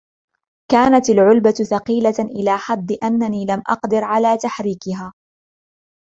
كانت العلبة ثقيلة إلى حد أنني لم أقدر على تحريكها.